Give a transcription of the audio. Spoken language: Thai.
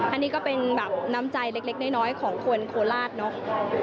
อันนี้ก็เป็นแบบน้ำใจเล็กน้อยของคนโคราชเนอะ